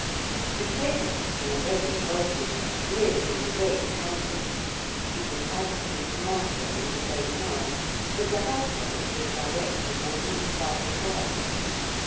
The trader, already wealthy, lived in great comfort. He was absolute master in his own house, but the household was directed or ruled by his wife.